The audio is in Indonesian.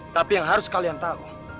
tapi yang harus kalian tahu